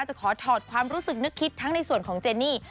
ขอถอดความรู้สึกนึกคิดทั้งในส่วนของเจนี่